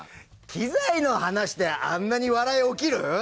機材の話であんなに笑い起きる？